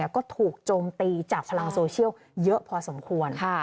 ก็ถูกโจมตีจากพลังโซเชียลเยอะพอสมควร